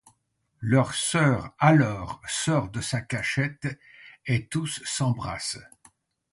Leur sœur, alors, sort de sa cachette, et tous s'embrassent.